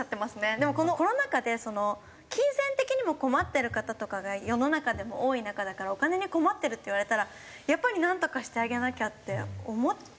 でもこのコロナ禍で金銭的にも困ってる方とかが世の中でも多い中だから「お金に困ってる」って言われたらやっぱりなんとかしてあげなきゃって思っちゃいます。